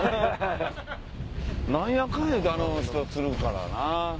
何やかんやであの人釣るからな。